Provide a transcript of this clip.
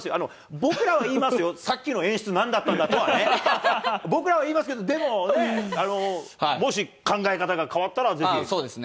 僕らは言いますよ、さっきの演出、なんだったんだとはね、僕らは言いますけれども、でもね、もし考そうですね。